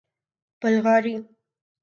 بلغاری